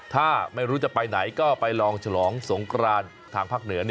ถ้าไม่รู้จะไปไหนก็ไปลองฉลองสงกรานทางภาคเหนือ